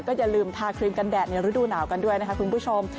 อย่าลืมทาครีมกันแดดในฤดูหนาวกันด้วยนะคะคุณผู้ชม